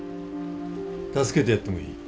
助けてやってもいい。